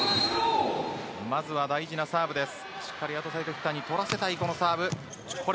まずは大事なサーブです。